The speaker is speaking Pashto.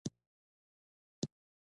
پر تور بازار کنټرول ستونزمن دی.